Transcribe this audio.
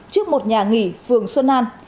trước một nhà nghỉ phường xuân an